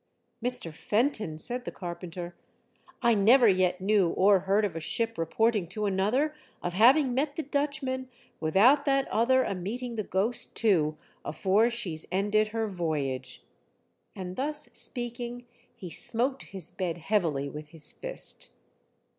*' Mr. Fenton," said the carpenter, " I never yet knew or heard of a ship reporting to another of having met the Dutchman, without that other a meeting the Ghost too afore she's ended her voyage," and thus speaking he smote his bed heavily with his fist.